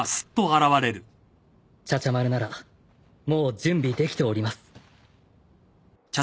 茶々丸ならもう準備できております。